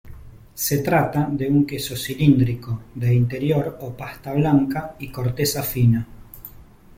Se trata de un queso cilíndrico, de interior o pasta blanca y corteza fina.